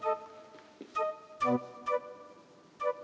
kasian juga nanti ditungguin sama anaknya